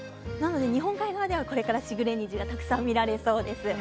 日本海側ではこれから時雨虹がたくさん見られそうです。